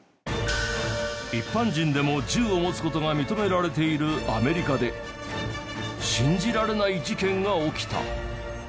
一般人でも銃を持つ事が認められているアメリカで信じられない事件が起きた。